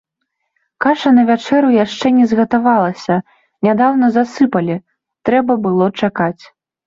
Каша на вячэру яшчэ не згатавалася, нядаўна засыпалі, трэба было чакаць.